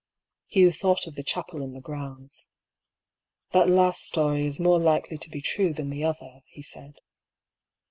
Hugh thought of the chapel in the grounds. " That last story is more likely to be true than the other," he said.